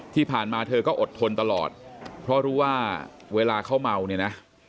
ที่ผ่านมาเธอก็อดทนตลอดเพราะรู้ว่าเวลาเขาเมาเนี่ยนะ